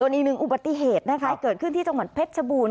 แล้วจนอีก๑อุบัติเหตุเกิดขึ้นที่จังหวันเพชรชบูน